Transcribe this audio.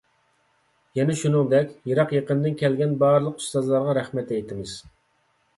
يەنە شۇنىڭدەك، يىراق-يېقىندىن كەلگەن بارلىق ئۇستازلارغا رەھمەت ئېيتىمىز.